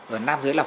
ở nam giới là vú